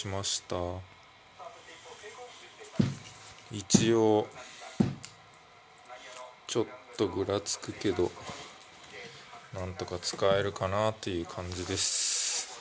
一応ちょっとぐらつくけどなんとか使えるかなっていう感じです。